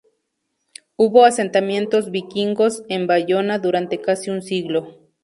Hubo asentamientos vikingos en Bayona durante casi un siglo.